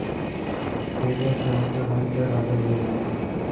trends کا حصہ بن کر آذربائیجان